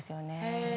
へえ。